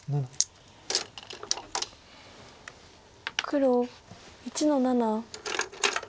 黒１の七。